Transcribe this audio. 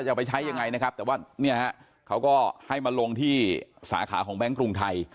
เอาไปใช้ยังไงนะครับแต่ว่าเนี่ยฮะเขาก็ให้มาลงที่สาขาของแบงค์กรุงไทย